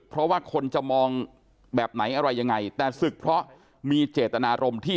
เพราะว่าคนจะมองแบบไหนอะไรยังไงแต่ศึกเพราะมีเจตนารมณ์ที่